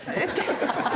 ハハハハ！